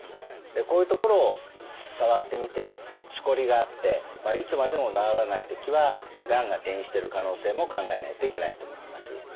でこういうところを触ってみてしこりがあっていつまでも治らない時はがんが転移してる可能性も考えないといけないと思います。